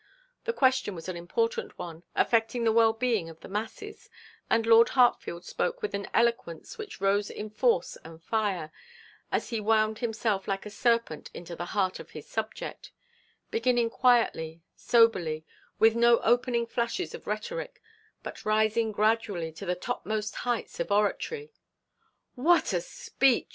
The question was an important one, affecting the well being of the masses, and Lord Hartfield spoke with an eloquence which rose in force and fire as he wound himself like a serpent into the heart of his subject beginning quietly, soberly, with no opening flashes of rhetoric, but rising gradually to the topmost heights of oratory. 'What a speech!'